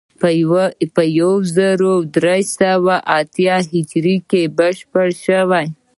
په یو زر درې سوه اتیا هجري کې بشپړ شوی.